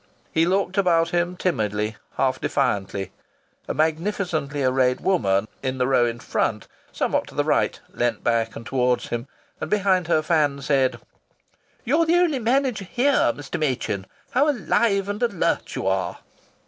He looked about him timidly, half defiantly. A magnificently arrayed woman in the row in front, somewhat to the right, leaned back and towards him, and behind her fan said: "You're the only manager here, Mr. Machin! How alive and alert you are!"